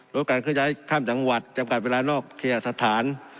ลดการเคลื่อยข้ามจังหวัดจำกัดเวลานอกเคียสถาน